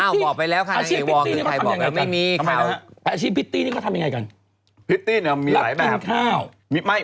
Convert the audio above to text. ก็บอกไปแล้วคะน้องไอ้วางที่ในไทย